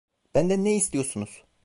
Benden ne istiyorsunuz?